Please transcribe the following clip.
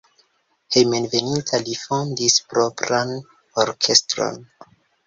Hejmenveninta li fondis propran orkestron.